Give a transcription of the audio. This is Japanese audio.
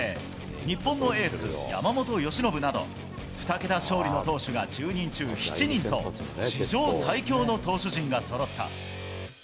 日本のエース、山本由伸など、２桁勝利の投手が１０人中７人と、史上最強の投手陣がそろった。